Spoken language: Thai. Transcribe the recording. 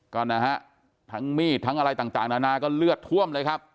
ก็นะฮะทั้งมีดทั้งอะไรต่างนานาก็เลือดท่วมเลยครับ